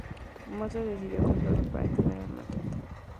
Mozo decidió comprarlo para detener el maltrato.